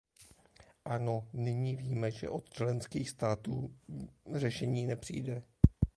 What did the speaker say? Ano, nyní víme, že od členských států řešení nepřijde.